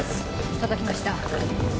届きました。